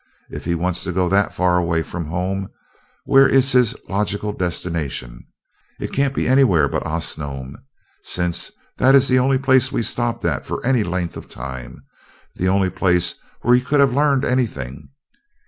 If he wants to go that far away from home, where is his logical destination? It can't be anywhere but Osnome, since that is the only place we stopped at for any length of time the only place where he could have learned anything.